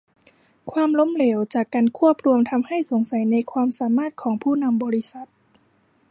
ความล้มเหลวจากการควบรวมทำให้สงสัยในความสามารถของผู้นำบริษัท